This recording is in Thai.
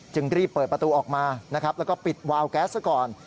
จึงรีบเปิดประตูออกมาแล้วก็ปิดวาวแก๊สก่อน